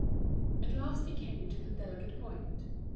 At last he came to the delicate point.